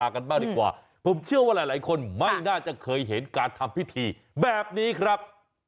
กันบ้างดีกว่าผมเชื่อว่าหลายคนไม่น่าจะเคยเห็นการทำพิธีแบบนี้ครับ